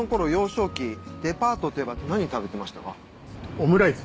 オムライス。